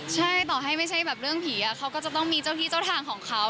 ใช่ต่อให้ไม่ใช่แบบเรื่องผีเขาก็จะต้องมีเจ้าที่เจ้าทางของเขา